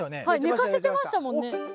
寝かせてましたもんね。